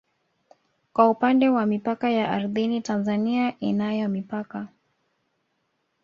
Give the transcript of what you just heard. Kwa upande wa mipaka ya ardhini Tanzania inayo mipaka